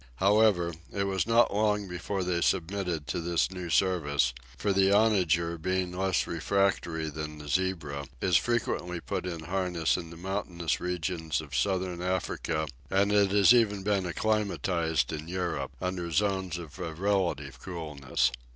However, it was not long before they submitted to this new service, for the onager, being less refractory than the zebra, is frequently put in harness in the mountainous regions of Southern Africa, and it has even been acclimatized in Europe, under zones of a relative coolness.